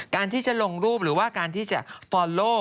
การที่จะลงรูปหรือว่าการที่จะฟอลโล่